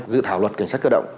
dự thảo luật cảnh sát cơ động